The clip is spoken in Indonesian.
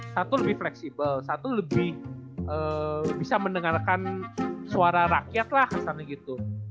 satu lebih fleksibel satu lebih bisa mendengarkan suara rakyat lah kesannya gitu